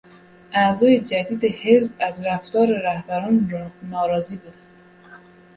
اعضای جدید حزب از رفتار رهبران ناراضی بودند.